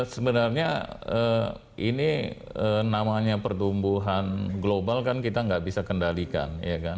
sebenarnya ini namanya pertumbuhan global kan kita nggak bisa kendalikan ya kan